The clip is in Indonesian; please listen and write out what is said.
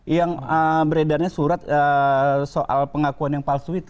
yang beredarnya surat soal pengakuan yang palsu itu